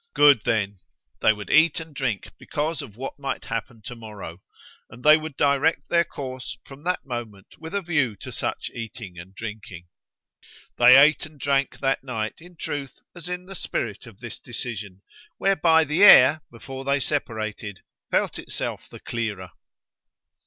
Good, then; they would eat and drink because of what might happen to morrow; and they would direct their course from that moment with a view to such eating and drinking. They ate and drank that night, in truth, as in the spirit of this decision; whereby the air, before they separated, felt itself the clearer.